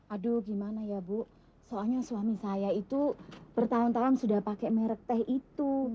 aduh gimana ya bu soalnya suami saya itu bertahun tahun sudah pakai merek teh itu